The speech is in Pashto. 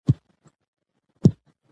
هغه د خپلو اتلانو له لارې خبرې کوي.